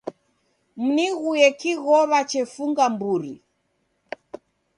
Muniguye kighow'a chefunga mburi.